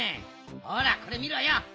ほらこれみろよ。